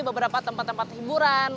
beberapa tempat tempat hiburan